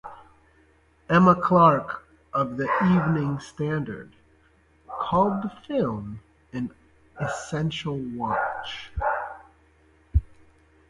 Emma Clarke of the "Evening Standard" called the film "an essential watch".